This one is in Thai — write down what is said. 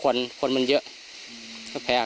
การแก้เคล็ดบางอย่างแค่นั้นเอง